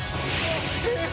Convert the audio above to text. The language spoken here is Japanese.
え？